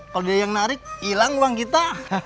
kalau dia yang narik hilang uang kita